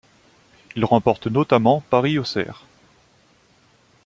Il remporte notamment Paris-Auxerre.